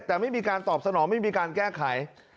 แต่ไม่มีการตอบสนองไม่มีการแก้ไข